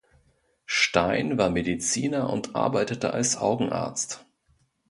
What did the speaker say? Steyn war Mediziner und arbeitete als Augenarzt.